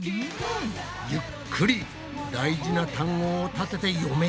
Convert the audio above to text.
ゆっくり大事な単語をたてて読めているぞ。